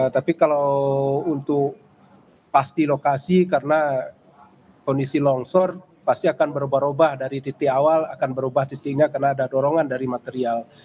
tapi kalau untuk pasti lokasi karena kondisi longsor pasti akan berubah ubah dari titik awal akan berubah titiknya karena ada dorongan dari material